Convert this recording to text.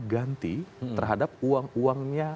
ganti terhadap uang uangnya